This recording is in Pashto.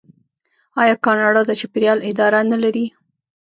آیا کاناډا د چاپیریال اداره نلري؟